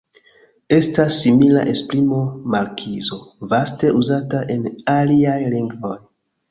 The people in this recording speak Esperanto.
Estas simila esprimo "markizo", vaste uzata en aliaj lingvoj.